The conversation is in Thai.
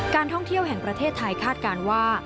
การท่องเที่ยวแห่งประเทศไทยคาดการณ์ว่า